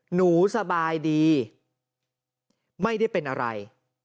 หนูสบายดีไม่ได้เป็นอะไร